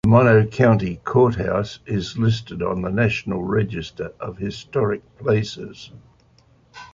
The Mono County Courthouse is listed on the National Register of Historic Places.